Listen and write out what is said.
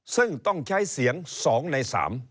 ซึ่งต้องใช้เสียง๒ใน๓